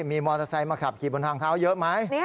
มีมอเตอร์ไซค์มาขับขี่บนทางเท้าเยอะไหม